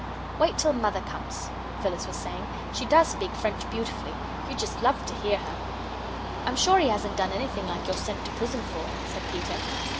"Wait till Mother comes," Phyllis was saying; "she does speak French beautifully. You'd just love to hear her." "I'm sure he hasn't done anything like you're sent to prison for," said Peter.